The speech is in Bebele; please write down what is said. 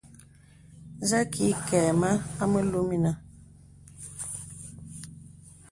Zə kì ìkɛ̂ mə a mèlù mìnə̀.